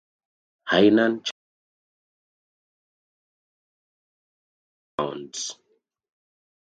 Hainan Cham tones correspond to various Proto-Chamic sounds.